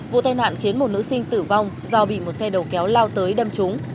vụ tai nạn khiến một nữ sinh tử vong do bị một xe đầu kéo lao tới đâm trúng